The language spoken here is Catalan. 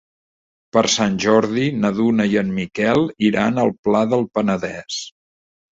Per Sant Jordi na Duna i en Miquel iran al Pla del Penedès.